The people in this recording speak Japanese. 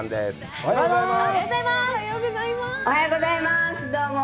おはようございます。